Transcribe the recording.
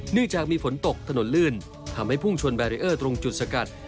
จากมีฝนตกถนนลื่นทำให้พุ่งชนแบรีเออร์ตรงจุดสกัด